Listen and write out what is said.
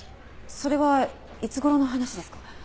それはいつ頃の話ですか？